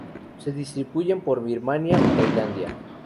Se distribuyen por Birmania y Tailandia.